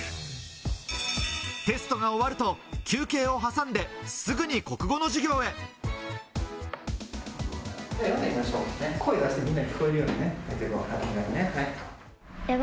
テストが終わると休憩を挟んで、すぐに国語の授業を終え。